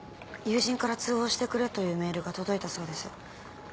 友人から通報してくれというメールが届いたそうです。